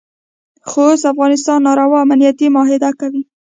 خو اوس افغانستان ناروا امنیتي معاهده کوي.